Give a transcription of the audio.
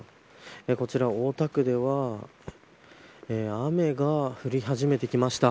こちら大田区では雨が降り始めてきました。